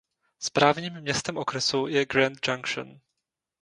Správním městem okresu je Grand Junction.